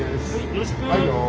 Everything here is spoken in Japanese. よろしくお願いします！